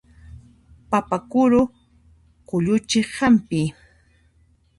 Papa kuru qulluchiq hampi.